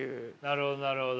なるほどなるほど。